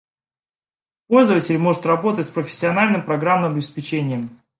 Пользователь может работать с профессиональным программным обеспечением